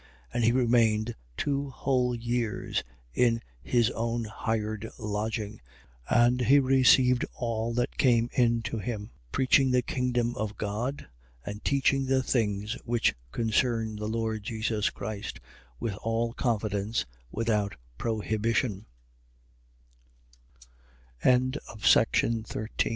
28:30. And he remained two whole years in his own hired lodging: and he received all that came in to him, 28:31. Preaching the kingdom of God and teaching the things which concern the Lord Jesus Christ, with all confidence, wit